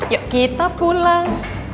yuk kita pulang